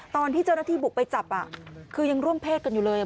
ตอนที่เจ้าหน้าที่บุกไปจับคือยังร่วมเพศกันอยู่เลย